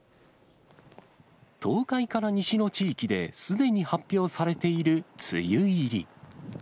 東海から西の地域で、すでに発表されている梅雨入り。